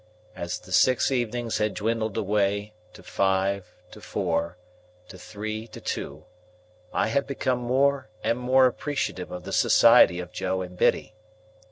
As the six evenings had dwindled away, to five, to four, to three, to two, I had become more and more appreciative of the society of Joe and Biddy.